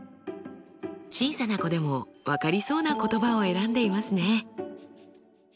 小さな子でも分かりそうな言葉を選んでいますね。